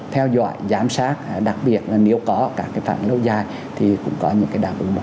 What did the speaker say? theo dõi giám sát đặc biệt là nếu có các cái phản lô dài thì cũng có những đảm b aktivital nhất